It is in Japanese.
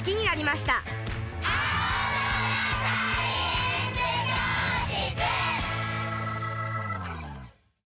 青空サイエンス教室！